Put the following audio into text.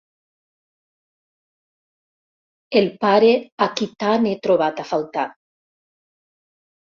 El pare a qui tant he trobat a faltar.